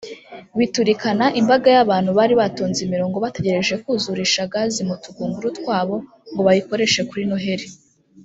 biturikana imbaga y’abantu bari batonze imirongo bategereje kuzurisha gazi mu tugunguru twabo ngo bayikoreshe kuri Noheli